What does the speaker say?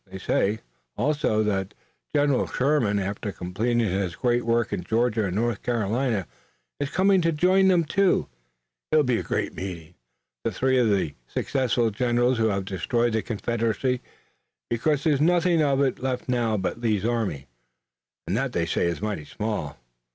"They say, also, that General Sherman, after completing his great work in Georgia and North Carolina, is coming to join them too. It will be a great meeting, that of the three successful generals who have destroyed the Confederacy, because there's nothing of it left now but Lee's army, and that they say is mighty small."